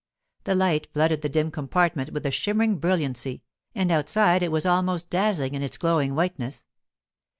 The light flooded the dim compartment with a shimmering brilliancy, and outside it was almost dazzling in its glowing whiteness.